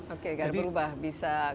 oke karena berubah bisa